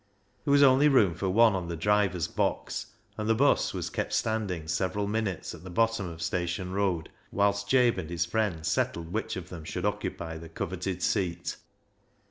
There was only room for one on the driver's box, and the 'bus was kept standing several minutes at the bottom of Station Road whilst Jabe and his friend settled which of them should occupy the coveted seat.